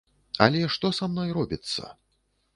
Але што са мной робіцца?